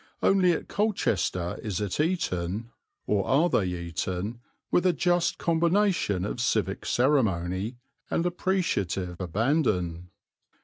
Only at Colchester is it eaten, or are they eaten, with a just combination of civic ceremony and appreciative abandon.